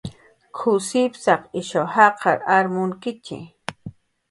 "K""uw sipsaq ishaw jaqar ar munkitxi"